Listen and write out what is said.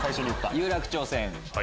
有楽町線。